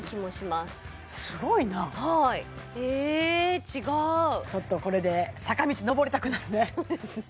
すごいなはいえ違うちょっとこれで坂道上りたくなるね